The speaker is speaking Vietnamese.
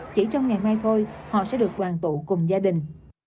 chỉ trong ngày mai thôi họ sẽ được đoàn tụ cùng gia đình